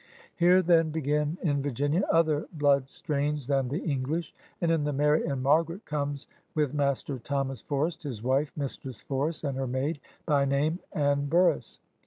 Here, then, begin in Virginia other blood strains than the English. And in the Mary and Margaret comes with Master Thomas Forest his wife. Mistress Forest, and her maid, by name Anne Burras.